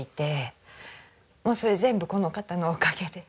もうそれ全部この方のおかげで。